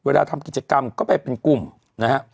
ทำกิจกรรมก็ไปเป็นกลุ่มนะฮะ